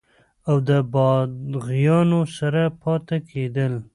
او دَباغيانو سره پاتې کيدل